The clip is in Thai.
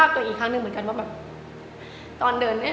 ตอนเดินเนี่ย